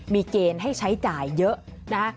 มีเกณฑ์ให้ใช้จ่ายเยอะนะคะ